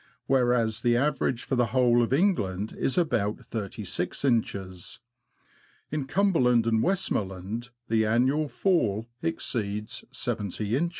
whereas the average for the whole of England is about 36in. In Cumberland and Westmoreland the annual fall exceeds yoin.